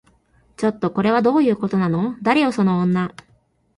ちょっと、これはどういうことなの？誰よその女